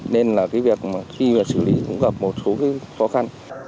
nên là cái việc khi mà xử lý cũng gặp một số cái khó khăn